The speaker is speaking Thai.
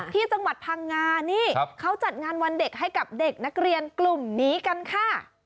ที่จังหวัดพังงานี่เขาจัดงานวันเด็กให้กับเด็กนักเรียนกลุ่มนี้กันค่ะ